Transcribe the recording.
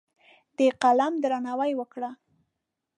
د قلم درناوی وکړه.